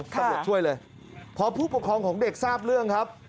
ตำรวจช่วยเลยพอผู้ปกครองของเด็กทราบเรื่องครับ